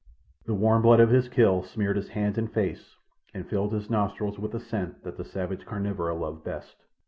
The warm blood of his kill smeared his hands and face and filled his nostrils with the scent that the savage carnivora love best.